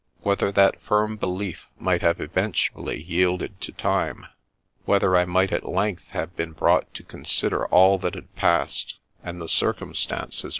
Whether that firm belief might have eventually yielded to time, whether I might at length have been brought to consider all that had passed, and the circumstances THE LATE HENRY HARRIS, D.D.